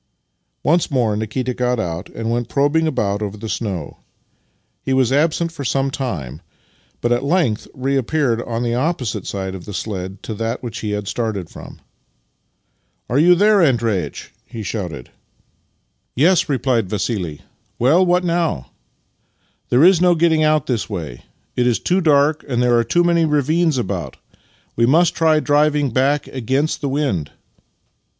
Once more Nikita got out and went probing about over the snow. He was absent for some time, but at length reappeared on the opposite side of the sledge to that which he had started from. " Are you there, Andreitch? " he shouted. 36 Master and Man " Yes," replied Vassili. " Well, what now? "" There is no getting out this way; it is too dark, and there are too man}^ ravines about. W'e must try driving back against the wind."